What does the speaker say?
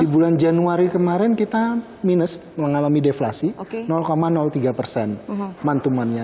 di bulan januari kemarin kita minus mengalami deflasi tiga persen mantumannya